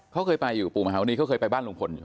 เขาเคยไปอยู่ปู่มหาวันนี้เขาเคยไปบ้านลุงพลอยู่